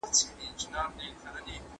علمي تحقیق په ناڅاپي ډول نه انتقالیږي.